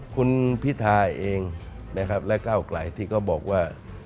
คุณพิทาเองนะครับและก้าวไกลที่เขาบอกว่า